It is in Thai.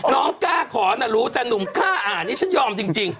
น้องกล้าขอนะรู้แต่หนุ่มกล้าอ่านนี่ฉันยอมจริง